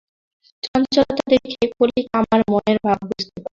চঞ্চলতা দেখে কলিকা আমার মনের ভাব বুঝতে পারলে।